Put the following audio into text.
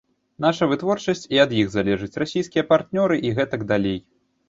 Наша вытворчасць і ад іх залежыць, расійскія партнёры і гэтак далей.